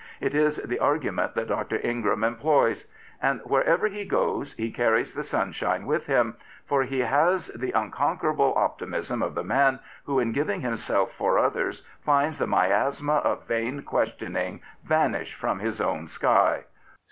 It is the argument that Dr. Ingram employs. And wherever he goes he carries the sunshine with him. For he has the unconquerable optimism of the man who in giving himself for others finds the mj^ma of vain questioning vanish from his own sky.